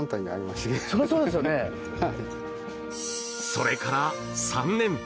それから３年。